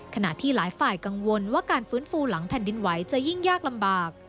ขณะที่หลายฝ่ายกังวลว่าการฟื้นฟูหลังแผ่นดินไหวจะยิ่งยากลำบาก